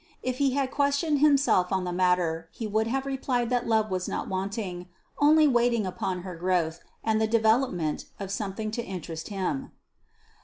If he had questioned himself on the matter, he would have replied that love was not wanting, only waiting upon her growth, and the development of something to interest him.